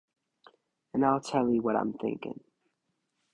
And I'll tell 'ee what I'm thinking.